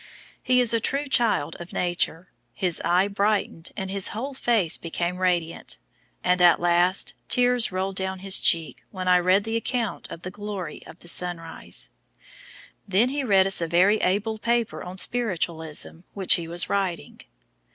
He is a true child of nature; his eye brightened and his whole face became radiant, and at last tears rolled down his cheek when I read the account of the glory of the sunrise. Then he read us a very able paper on Spiritualism which he was writing.